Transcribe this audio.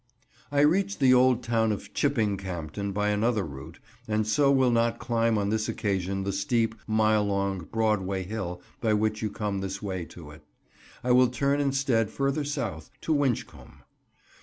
I reach the old town of Chipping Campden by another route, and so will not climb on this occasion the steep, mile long Broadway Hill by which you come this way to it. I will turn instead further south, to Winchcombe.